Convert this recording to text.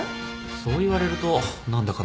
そう言われると何だかなぁ。